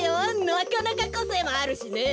なかなかこせいもあるしね。